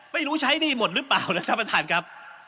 ไม่รู้ใช้หนี้หมดหรือเปล่านะท่านประธานครับ